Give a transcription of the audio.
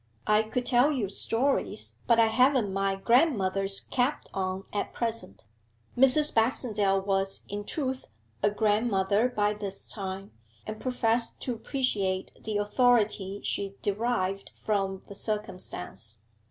I could tell you stories but I haven't my grandmother's cap on at present.' (Mrs. Baxendale was, in truth, a grandmother by this time, and professed to appreciate the authority she derived from the circumstance.)